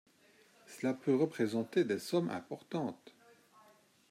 Cela peut représenter des sommes importantes.